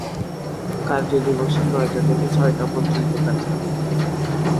কার্যদিবসে নয়টা থেকে ছয়টা পর্যন্ত কাজ করি।